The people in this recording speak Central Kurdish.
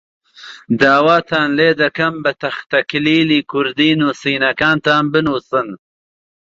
داواتان لێ دەکەم بە تەختەکلیلی کوردی نووسینەکانتان بنووسن.